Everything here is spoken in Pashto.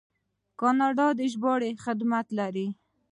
کاناډا د ژباړې خدمات لري.